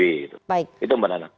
itu mbak nana